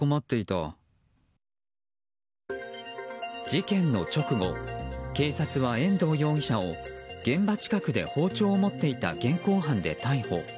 事件の直後警察は遠藤容疑者を現場近くで包丁を持っていた現行で逮捕。